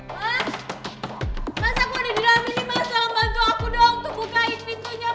mas mas aku ada di dalam ini mas bantu aku dong untuk bukain pintunya mas